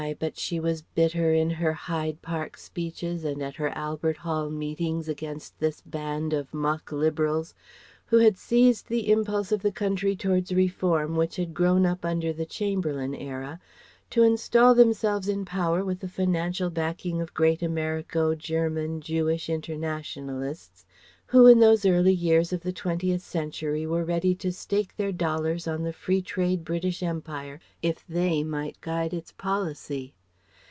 But she was bitter in her Hyde Park speeches and at her Albert Hall meetings against this band of mock liberals who had seized the impulse of the country towards reform which had grown up under the Chamberlain era to instal themselves in power with the financial backing of great Americo German Jewish internationalists, who in those early years of the Twentieth century were ready to stake their dollars on the Free Trade British Empire if they might guide its policy.